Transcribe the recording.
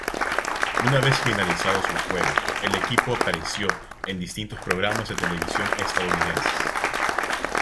Una vez finalizados los juegos, el equipo apareció en distintos programas de televisión estadounidenses.